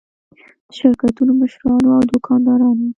د شرکتونو مشرانو او دوکاندارانو.